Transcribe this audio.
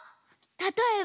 たとえば。